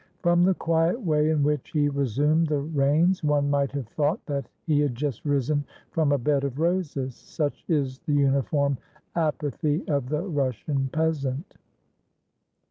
From the quiet way in which he resumed the reins, one might have thought that he had just risen from a bed of roses; such is the uniform apathy of the Russian peasant!"